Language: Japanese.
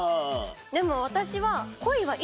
でも私は。